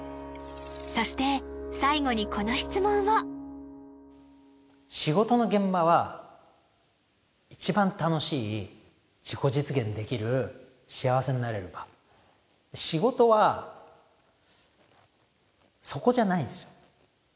そして最後にこの質問を仕事の現場は一番楽しい自己実現できる幸せになれる場仕事はそこじゃないんすよ